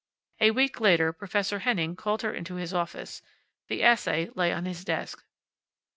A week later Professor Henning called her into his office. The essay lay on his desk.